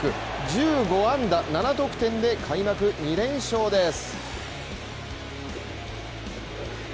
１５安打７得点で開幕２連勝です。